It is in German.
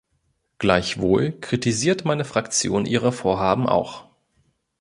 Gleichwohl kritisiert meine Fraktion Ihre Vorhaben auch.